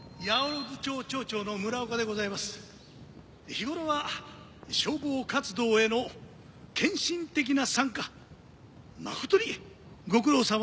日頃は消防活動への献身的な参加誠にご苦労さまです。